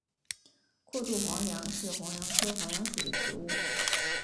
阔柱黄杨是黄杨科黄杨属的植物。